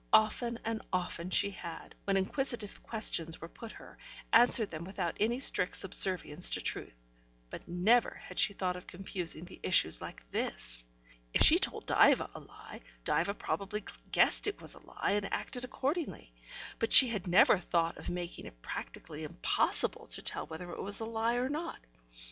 Often and often she had, when inquisitive questions were put her, answered them without any strict subservience to truth, but never had she thought of confusing the issues like this. If she told Diva a lie, Diva probably guessed it was a lie, and acted accordingly, but she had never thought of making it practically impossible to tell whether it was a lie or not.